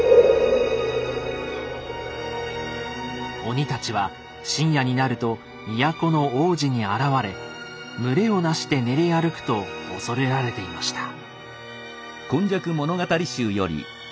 鬼たちは深夜になると都の大路に現れ群れを成して練り歩くと恐れられていました。